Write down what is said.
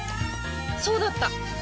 そうだった！